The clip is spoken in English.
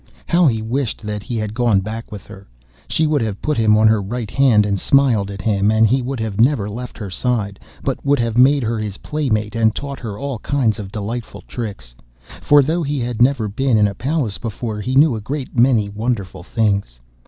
How he wished that he had gone back with her! She would have put him on her right hand, and smiled at him, and he would have never left her side, but would have made her his playmate, and taught her all kinds of delightful tricks. For though he had never been in a palace before, he knew a great many wonderful things.